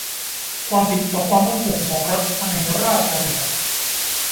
ความผิดต่อความมั่นคงของรัฐภายในราชอาณาจักร